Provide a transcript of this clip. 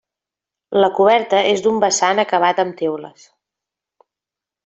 La coberta és d'un vessant acabat amb teules.